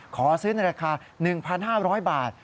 ขอซื้อในราคา๑๕๐๐บาท